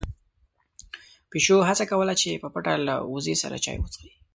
پيشو هڅه کوله چې په پټه له وزې سره چای وڅښي.